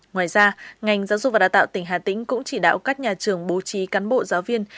ngoài ra ngành giáo dục và đào tạo tỉnh hà tĩnh cũng chỉ đạo các nhà trường bố trí cán bộ giáo viên